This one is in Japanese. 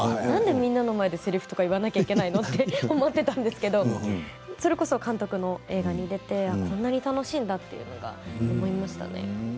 なんでみんなの前でせりふとか言わなきゃいけないの？と思っていたんですけどそれこそ、監督の映画に出てこんなに楽しいんだというのが思いましたね。